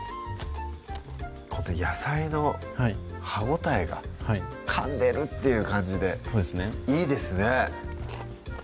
この野菜の歯応えがかんでるっていう感じでそうですねいいですね